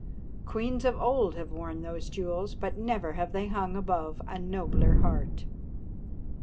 Queens of old have worn those jewels, but never have they hung above a nobler heart."